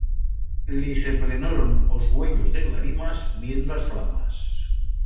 Li se plenoron os uellos de glarimas viendo as flamas.